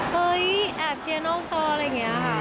แอบเชียร์นอกจออะไรอย่างนี้ค่ะ